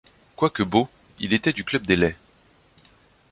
Quoique beau, il était du Club des Laids.